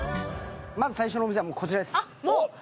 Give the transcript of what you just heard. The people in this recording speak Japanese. まず最初のお店は、こちらです。